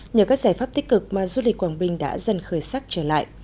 nhờ các giải pháp tích cực mà du lịch quảng bình đã dần khởi sắc trở lại